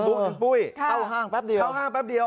เข้าห้างแป๊บเดียว